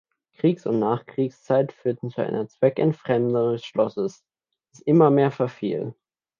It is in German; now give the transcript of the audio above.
Kriegs- und Nachkriegszeit führten zu einer Zweckentfremdung des Schlosses, das immer mehr verfiel.